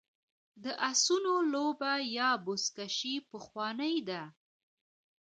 د اسونو لوبه یا بزکشي پخوانۍ ده